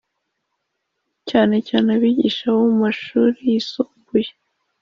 cyanecyane abigisha bo mu mashuri yisumbuye.